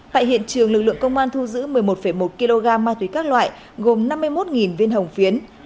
tại hiện trường lực lượng công an thu giữ một mươi một một kg ma túy các loại gồm năm mươi một viên hồng phiến